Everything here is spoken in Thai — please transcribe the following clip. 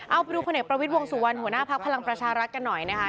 เอาไปดูผลเอกประวิทย์วงสุวรรณหัวหน้าพักพลังประชารัฐกันหน่อยนะคะ